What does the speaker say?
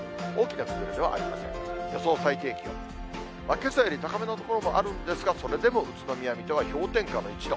けさより高めの所もあるんですが、それでも宇都宮、水戸は氷点下１度。